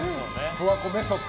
十和子メソッド